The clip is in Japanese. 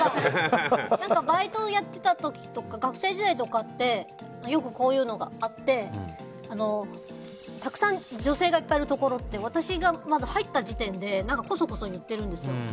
バイトをやってた時とか学生時代とかってよくこういうのがあってたくさん女性がいっぱいいるところって私が入った時点でこそこそ言ってるんですよ。